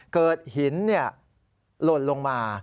เกิดหินหล่นลงมา